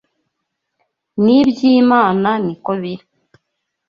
N’iby’Imana ni ko biri